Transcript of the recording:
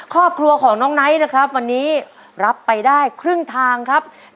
ครอบครัวของน้องไนท์นะครับวันนี้รับไปได้ครึ่งทางครับ